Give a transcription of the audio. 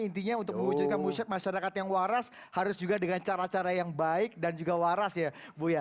intinya untuk mewujudkan masyarakat yang waras harus juga dengan cara cara yang baik dan juga waras ya bu ya